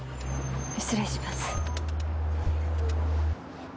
失礼します。